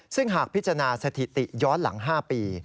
ซึ่งหากพิจารณาสถิติย้อนหลัง๕ปี